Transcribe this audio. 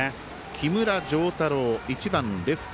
木村星太朗、１番レフト。